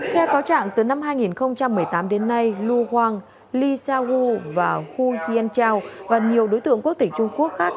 theo cáo trạng từ năm hai nghìn một mươi tám đến nay lu hoang lee sa hu và hu hien chau và nhiều đối tượng quốc tỉnh trung quốc khác